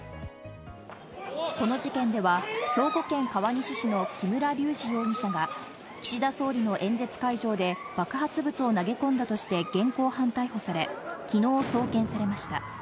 この事件では兵庫県川西市の木村隆二容疑者が岸田総理の演説会場で爆発物を投げ込んだとして現行犯逮捕され、昨日、送検されました。